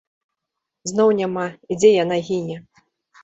Зноў няма, і дзе яна гіне!